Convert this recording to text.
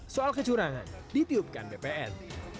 soal kecurangan ditiupkan bpn